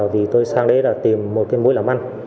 vì tôi sang đấy tìm một mối làm ăn